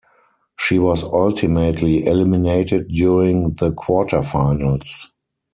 She was ultimately eliminated during the Quarterfinals.